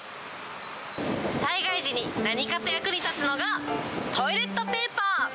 災害時に何かと役に立つのがトイレットペーパー。